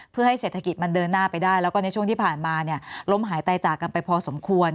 เพื่อให้เศรษฐกิจมันเดินหน้าไปได้แล้วก็ในช่วงที่ผ่านมาเนี่ยล้มหายตายจากกันไปพอสมควร